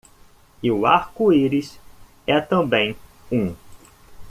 E o arco-íris é também um.